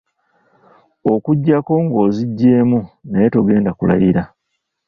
Okuggyako ng’oziggyeemu naye togenda kulayira.